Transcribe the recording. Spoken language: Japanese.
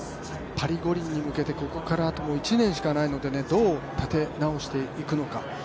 パリ五輪に向けて、ここからあと１年しかないのでどう立て直していくのか。